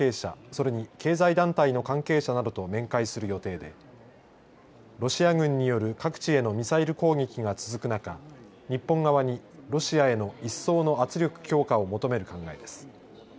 それに経済団体の関係者などと面会する予定でロシア軍による各地へのミサイル攻撃が続く中日本側にロシアへの一層の圧力強化を求める考えです。